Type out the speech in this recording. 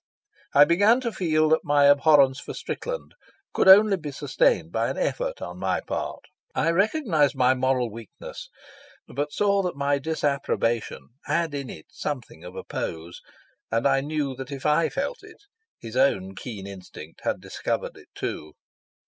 I began to feel that my abhorrence for Strickland could only be sustained by an effort on my part. I recognised my moral weakness, but saw that my disapprobation had in it already something of a pose; and I knew that if I felt it, his own keen instinct had discovered it, too.